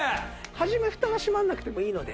初めフタが閉まらなくてもいいので。